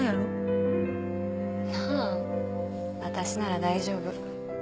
なん私なら大丈夫。